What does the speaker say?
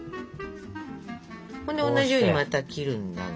そんで同じようにまた切るんだが。